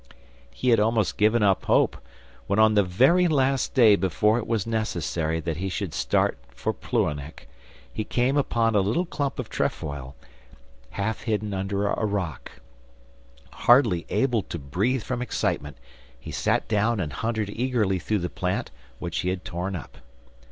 He had almost give up hope, when on the very last day before it was necessary that he should start of Plouhinec, he came upon a little clump of trefoil, half hidden under a rock. Hardly able to breathe from excitement, he sat down and hunted eagerly through the plant which he had torn up.